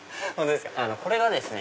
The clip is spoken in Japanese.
これがですね